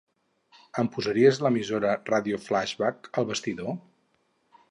Em posaries l'emissora "Ràdio Flaixbac" al vestidor?